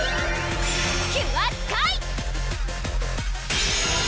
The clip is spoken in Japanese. キュアスカイ！